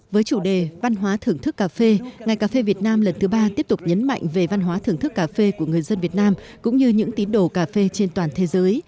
với chủ đề văn hóa thưởng thức cà phê ngày cà phê việt nam lần thứ ba tiếp tục nhấn mạnh về văn hóa thưởng thức cà phê của người dân việt nam cũng như những tín đồ cà phê trên toàn thế giới